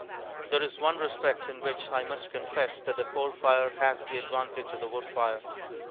There is one respect in which I must confess that the coal fire has the advantage of the wood fire.